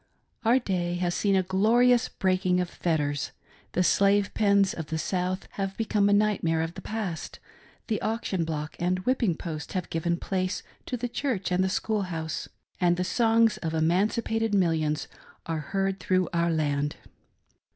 Our day has seen a glorious breaking of fetters. The slave pens of the South have become a nightmare of the past ; the auction block and whipping post have given place to the church and school house ; and the songs of emanci pated millions are heard through our lajid.